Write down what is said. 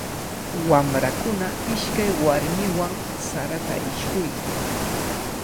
Wamrakuna ishkay warmiwan sarata ishkuykan.